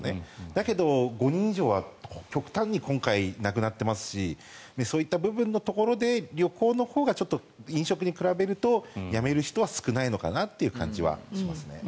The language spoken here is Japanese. だけど、５人以上は極端に今回なくなっていますしそういった部分のところで旅行のほうが飲食に比べるとやめる人は少ないのかなという感じはしますね。